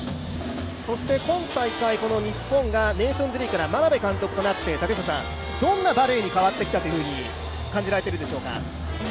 そして今大会、日本がネーションズリーグから眞鍋監督となって、どんなバレーに変わってきたと感じられているでしょうか。